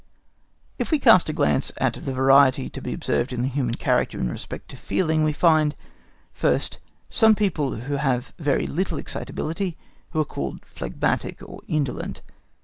If we cast a glance at the variety to be observed in the human character in respect to feeling, we find, first, some people who have very little excitability, who are called phlegmatic or indolent.